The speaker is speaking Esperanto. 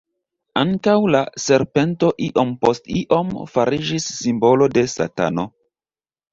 Ankaŭ la serpento iom post iom fariĝis simbolo de Satano.